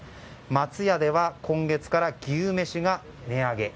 松屋では、今月から牛めしが値上げ。